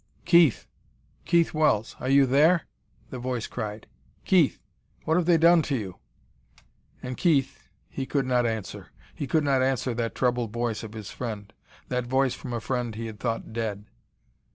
"Keith! Keith Wells! Are you there?" the voice cried. "Keith! What have they done to you?" And Keith, he could not answer! He could not answer that troubled voice of his friend that voice from a friend he had thought dead.